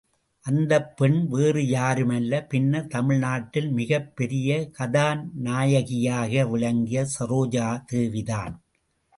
அந்தப் பெண் வேறு யாருமல்ல, பின்னர் தமிழ் நாட்டில் மிகப் பெரிய கதாநாயகியாக விளங்கிய சரோஜாதேவிதான்!